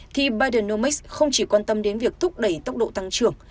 thì bidenomics không chỉ quan tâm đến việc thúc đẩy tốc độ tăng trưởng